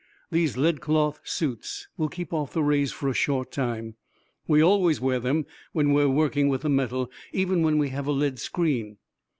These lead cloth suits will keep off the rays for a short time. We always wear them when we are working with the metal, even when we have a lead screen."